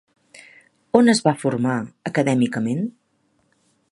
On es va formar acadèmicament?